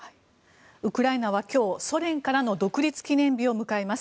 ウクライナは今日ソ連からの独立記念日を迎えます。